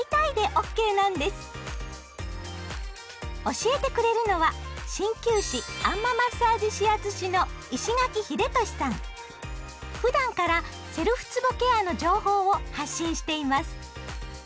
教えてくれるのは鍼灸師あん摩マッサージ指圧師のふだんからセルフつぼケアの情報を発信しています。